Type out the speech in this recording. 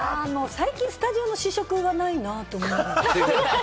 最近スタジオの試食がないなと思って。